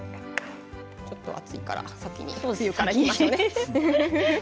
ちょっと熱いから先につゆからいきましょうね。